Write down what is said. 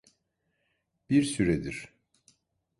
Bir süredir.